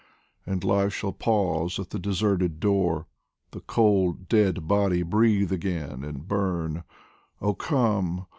And Life shall pause at the deserted door, The cold dead body breathe again and burn. Oh come